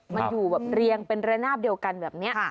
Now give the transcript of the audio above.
มันอยู่แบบเรียงเป็นระนาบเดียวกันแบบนี้